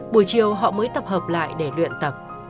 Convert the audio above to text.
buổi chiều họ mới tập hợp lại để luyện tập